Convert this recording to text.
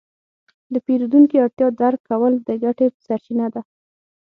د پیرودونکي اړتیا درک کول د ګټې سرچینه ده.